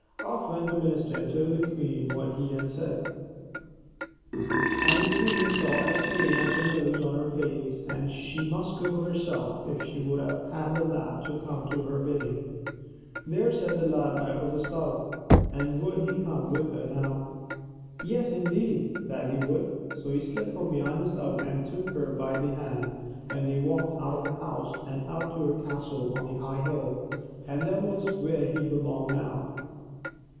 Off went the minister and told the queen what he had said, and the 3i8 THE BEST THAT LIFE HAS TO GIVE. queen saw as plain as the nose on her face that she must go herself if she would have the lad come at her bidding. There sat the lad back of the stove. And would he come with her now? Yes, indeed, that he would. So he slipped from behind the stove and took her by the hand, and they walked out of the house and up to her castle on the high hill, for that was where he belonged now.